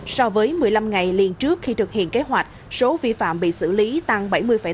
so với một mươi năm ngày liên trước khi thực hiện kế hoạch số vi phạm bị xử lý tăng bảy mươi tám